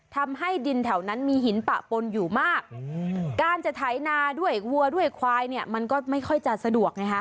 ทำให้ดินแถวนั้นมีหินปะปนอยู่มากการจะไถนาด้วยวัวด้วยควายเนี่ยมันก็ไม่ค่อยจะสะดวกไงฮะ